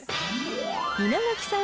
稲垣さん